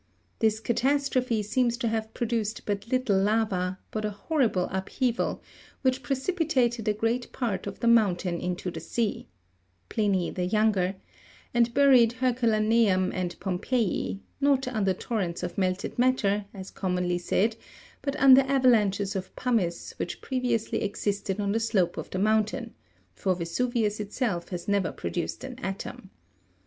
This catastrophe seems to have produced but little lava, but a hor rible upheaval, which precipitated a great part of the mountain into the sea (Pliny the younger), and buried Herculaneum and Pompeii, not under tor rents of melted matter, as commonly said, but under avalanches of pumice which previously existed on the slope of the mountain, for Vesuvius itself has never produced an atom.